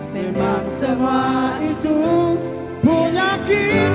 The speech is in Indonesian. memang semua itu punya ciri